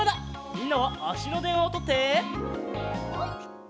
みんなはあしのでんわをとって。